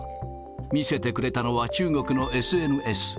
見せてくれたのは中国のＳＮＳ。